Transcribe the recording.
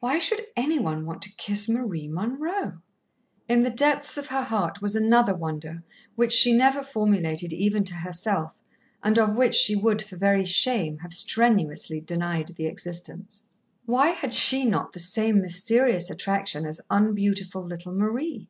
Why should any one want to kiss Marie Munroe? In the depths of her heart was another wonder which she never formulated even to herself, and of which she would, for very shame, have strenuously denied the existence. Why had she not the same mysterious attraction as un beautiful little Marie?